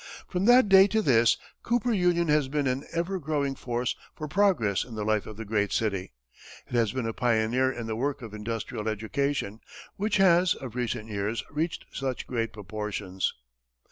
From that day to this, Cooper Union has been an ever growing force for progress in the life of the great city; it has been a pioneer in the work of industrial education, which has, of recent years, reached such great proportions.